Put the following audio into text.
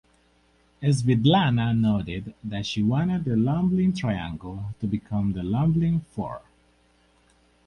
Svitlana noted that she wanted the "Lublin Triangle" to become the "Lublin Four".